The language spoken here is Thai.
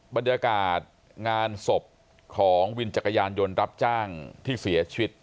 บรรยากาศงานศพของวินจักรยานยนต์รับจ้างที่เสียชีวิต